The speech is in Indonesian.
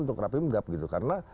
untuk rapi minggap gitu karena